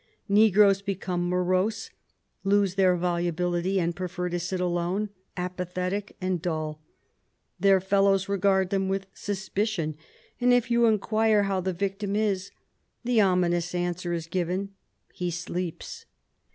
Negroes become morose, lose their volubility and prefer to sit alone, apathetic and dull. Their fellows regard them with suspicion, and if you inquire how the victim is, the ominous answer is given, "He sleeps."